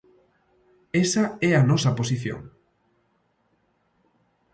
Esa é a nosa posición.